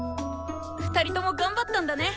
２人とも頑張ったんだね。